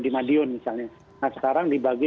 di madiun misalnya nah sekarang dibagi